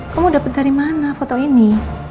kamu dapat dari mana foto ini